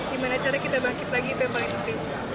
di mana caranya kita bangkit lagi itu yang paling penting